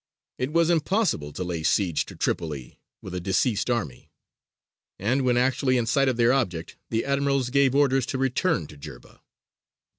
It was impossible to lay siege to Tripoli with a diseased army, and when actually in sight of their object the admirals gave orders to return to Jerba.